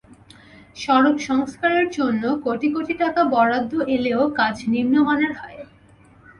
সড়ক সংস্কারের জন্য কোটি কোটি টাকা বরাদ্দ এলেও কাজ নিম্নমানের হয়।